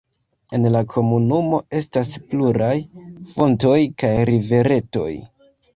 En la komunumo estas pluraj fontoj kaj riveretoj.